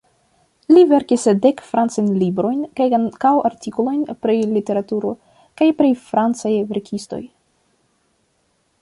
Li verkis dek francajn librojn kaj ankaŭ artikolojn pri literaturo kaj pri francaj verkistoj.